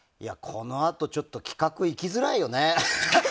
このあとちょっと企画行きづらいよね。